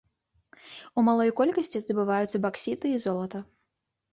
У малой колькасці здабываюцца баксіты і золата.